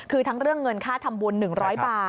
คือทั้งเรื่องเงินค่าทำบุญ๑๐๐บาท